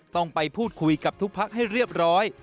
ต้องไปพูดคุยกับทุกพักให้เรียบร้อย